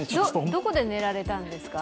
どこで寝られたんですか？